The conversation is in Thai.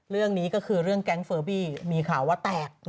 เรื่องนี้ก็คือเรื่องแก๊งเฟอร์บี้มีข่าวว่าแตก